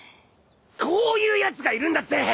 こういうやつがいるんだって！